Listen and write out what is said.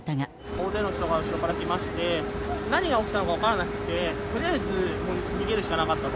大勢の人が後ろから来まして、何が起きたのか分からなくて、とりあえず逃げるしかなかった。